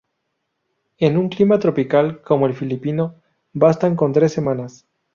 En un clima tropical, como el filipino, bastan con tres semanas.